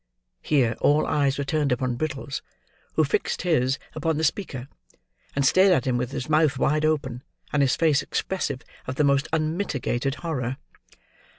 '" Here, all eyes were turned upon Brittles, who fixed his upon the speaker, and stared at him, with his mouth wide open, and his face expressive of the most unmitigated horror.